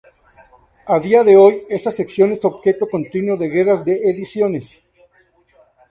A día de hoy, esta sección es objeto continuo de guerras de ediciones.